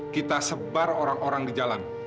kita sebar orang orang di jalan